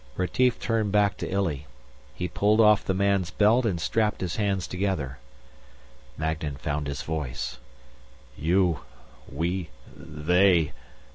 Retief turned back to Illy. He pulled off the man's belt and strapped his hands together. Magnan found his voice. "You.... we.... they...."